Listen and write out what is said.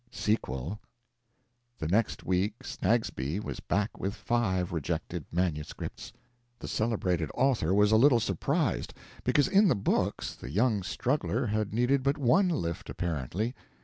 SEQUEL The next week Snagsby was back with five rejected manuscripts. The celebrated author was a little surprised, because in the books the young struggler had needed but one lift, apparently.